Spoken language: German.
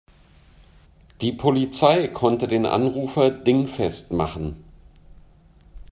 Die Polizei konnte den Anrufer dingfest machen.